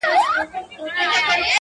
o نړوم غرونه د تمي ـ له اوږو د ملایکو ـ